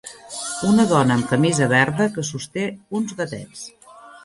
Una dona amb camisa verda que sosté uns gatets.